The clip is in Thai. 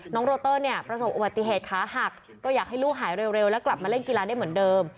โรเตอร์เนี่ยประสบอุบัติเหตุขาหักก็อยากให้ลูกหายเร็วแล้วกลับมาเล่นกีฬาได้เหมือนเดิม